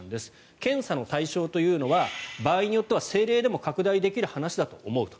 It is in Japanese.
検査の対象というのは場合によっては政令でも拡大できる話だと思うと。